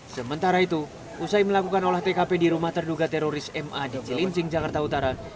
sementara itu usai melakukan olah tkp di rumah terduga teroris ma di cilincing jakarta utara